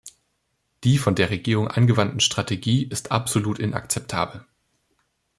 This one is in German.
Die von der Regierung angewandte Strategie ist absolut inakzeptabel.